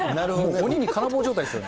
鬼に金棒状態ですよね。